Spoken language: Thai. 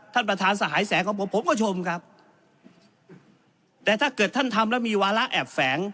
ท่านประธานสหายแสงของผมผมก็ชมครับแต่ถ้าเกิดท่านทำแล้วมีวาระแอบแฝง